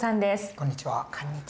こんにちは。